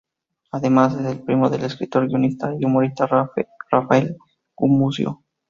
Además es primo del escritor, guionista y humorista Rafael Gumucio.